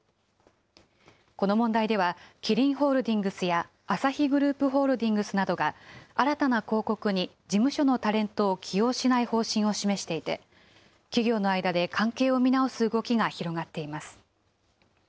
この問題では、キリンホールディングスやアサヒグループホールディングスなどが、新たな広告に事務所のタレントを起用しない方針を示していて、企業の間で関係を見直す動きが広がっています。